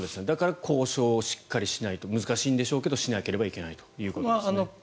だから交渉をしっかりしないといけない難しいんでしょうけどもしなければいけないということですね。